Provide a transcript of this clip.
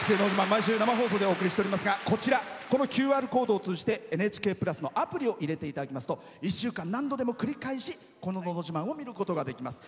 毎週、生放送でお送りしておりますがＱＲコードを通じて「ＮＨＫプラス」のアプリを入れていただきますと１週間、何度でも繰り返し、この「のど自慢」を見ることができます。